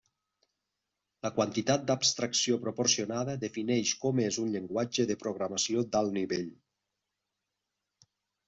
La quantitat d'abstracció proporcionada defineix com és un llenguatge de programació d'alt nivell.